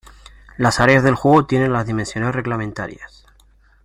Las áreas de juego tienen las dimensiones reglamentarias.